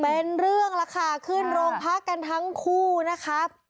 เป็นเรื่องละค่ะขึ้นโรงพักกันทั้งคู่นะครับ